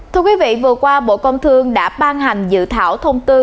thưa quý vị vừa qua bộ công thương đã ban hành dự thảo thông tư